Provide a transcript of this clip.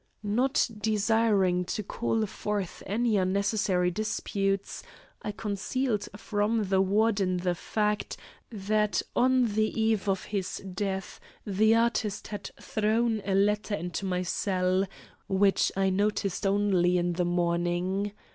Not desiring to call forth any unnecessary disputes, I concealed from the Warden the fact that on the eve of his death the artist had thrown a letter into my cell, which I noticed only in the morning.